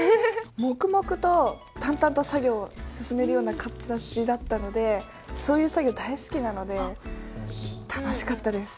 黙々と淡々と作業を進めるような形だったのでそういう作業大好きなので楽しかったです。